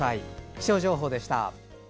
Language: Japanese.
気象情報でした。